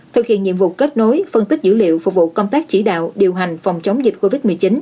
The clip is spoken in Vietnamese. thực hiện nhiệm vụ kết nối phân tích dữ liệu phục vụ công tác chỉ đạo điều hành phòng chống dịch covid một mươi chín